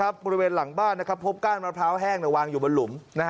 บริเวณหลังบ้านพบก้านมะพร้าวแห้งวางอยู่บนหลุม